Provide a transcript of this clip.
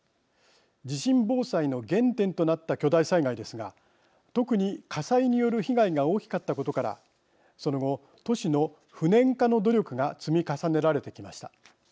地震防災の原点となった巨大災害ですが特に、火災による被害が大きかったことからその後、都市の不燃化の努力が積み重ねられてきました。